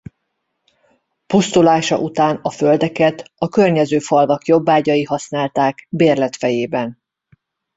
Pusztulása után a földeket a környező falvak jobbágyai használták bérlet fejében.